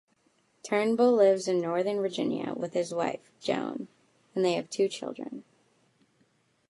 Turnbull lives in Northern Virginia with his wife, Joan; they have two children.